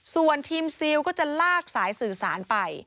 ส่วนทีมซิลก็จะลากสายสื่อสารไป